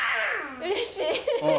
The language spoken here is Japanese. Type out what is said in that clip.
うれしい？